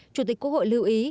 chủ tịch quốc hội lưu ý